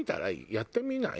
やってみない？